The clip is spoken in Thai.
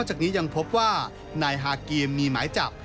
จากนี้ยังพบว่านายฮากีมมีหมายจับ